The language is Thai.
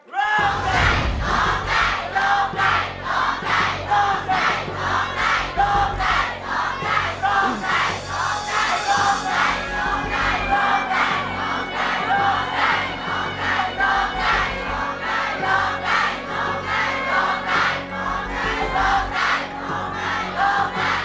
โทษใจโทษใจโทษใจโทษใจโทษใจ